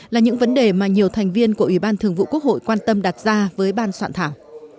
là những vấn đề mà nhiều thành viên của ủy ban thường vụ quốc hội quan tâm đặt ra với ban soạn thảo